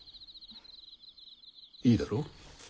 いいだろう？